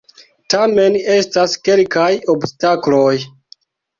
Tamen estas kelkaj obstakloj!